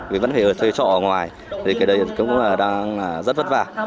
với vấn đề thuê trọ ở ngoài thì cái đấy cũng đang rất vất vả